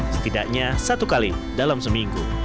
setidaknya satu kali dalam seminggu